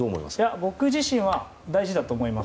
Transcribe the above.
僕自身は大事だと思います。